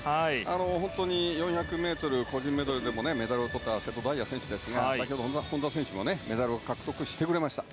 ４００ｍ個人メドレーでもメダルをとった瀬戸大也選手ですが先ほど、本多選手もメダルを獲得してくれました。